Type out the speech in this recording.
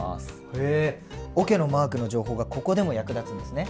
へえおけのマークの情報がここでも役立つんですね。